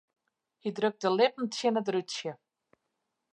Hy drukt de lippen tsjin it rútsje.